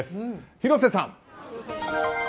広瀬さん。